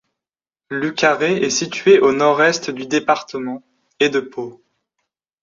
Lucarré est située au nord-est du département et de Pau.